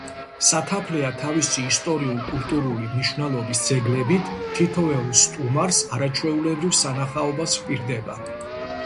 სათაფლია თავისი ისტორიულ-კულტურული მნიშვნელობის ძეგლებით, თითოეულ სტუმარს, არაჩვეულებრივ სანახაობას ჰპირდება.